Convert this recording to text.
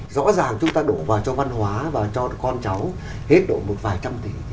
rõ ràng chúng ta đổ vào cho văn hóa và cho con cháu hết độ một vài trăm tỷ